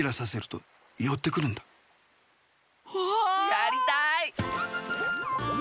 やりたい！